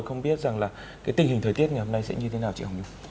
không biết rằng là cái tình hình thời tiết ngày hôm nay sẽ như thế nào chị hồng nhung